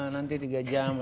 nanti tiga jam